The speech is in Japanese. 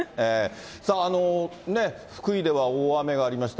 さあ、福井では大雨がありました。